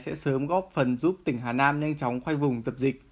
sẽ sớm góp phần giúp tỉnh hà nam nhanh chóng khoanh vùng dập dịch